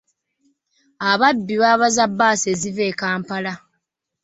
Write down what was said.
Ababbi babaza bbaasi eziva e Kampala